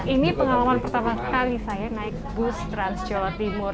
ini pengalaman pertama kali saya naik bus trans jawa timur